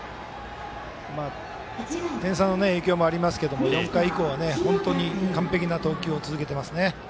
点差の影響もありますけれども４回以降、本当に完璧な投球続けていますね。